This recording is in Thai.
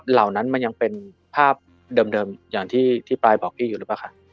เหล่านั้นมันยังเป็นภาพเดิมอย่างที่ปลายบอกพี่อยู่หรือเปล่าคะ